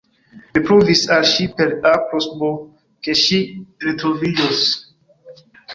Mi pruvis al ŝi per A plus B, ke ŝi retroviĝos.